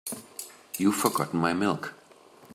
You've forgotten my milk.